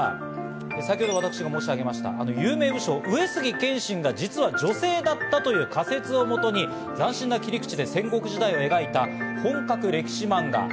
先ほど、私が申し上げましたが、上杉謙信が実は女性だったという仮説をもとに斬新な切り口で戦国時代を描いた本格歴史漫画。